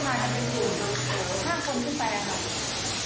ส่วนมากก็จะมาเป็นอยู่๕คนขึ้นไปนะครับ